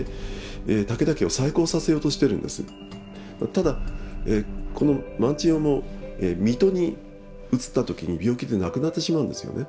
ただこの万千代も水戸に移った時に病気で亡くなってしまうんですよね。